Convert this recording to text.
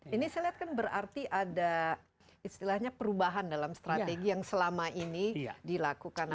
ini saya lihat kan berarti ada istilahnya perubahan dalam strategi yang selama ini dilakukan